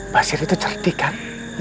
basir itu cerdikan